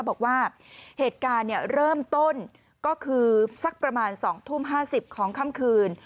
บอกว่าเหตุการณ์เริ่มต้นก็คือสักประมาณ๒ทุ่ม๕๐ของค่ำคืน